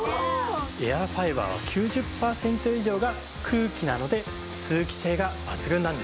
エアファイバーは９０パーセント以上が空気なので通気性が抜群なんです。